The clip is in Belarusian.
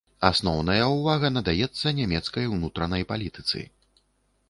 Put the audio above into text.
Асноўная ўвага надаецца нямецкай унутранай палітыцы.